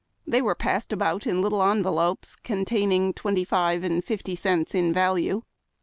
They were passed about in little envelopes, containing twenty five and fifty cents in value.